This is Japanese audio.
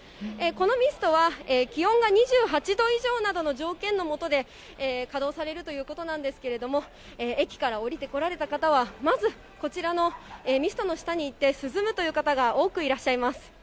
このミストは、気温が２８度以上などの条件の下で、稼働されるということなんですけれども、駅から降りてこられた方は、まず、こちらのミストの下に行って涼むという方が多くいらっしゃいます。